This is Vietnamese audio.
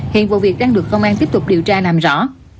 hiện vụ việc đang được công an tiếp tục điều tra làm rõ